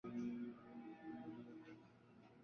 昔日的第五庭院位于最外面的海边。